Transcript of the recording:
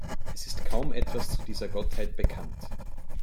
Es ist kaum etwas zu dieser Gottheit bekannt.